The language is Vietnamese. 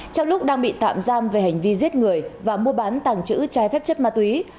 trong lúc đang bị tạm giam về hành vi giết người và mua bán tàng trữ trái phép chất ma túy